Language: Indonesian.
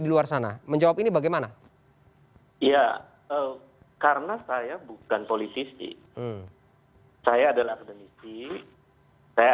di luar sana menjawab ini bagaimana oh iya karena saya bukan politik saya adalah kebenci saya